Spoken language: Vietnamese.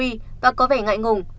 bạn khách nói sorry và có vẻ ngại ngùng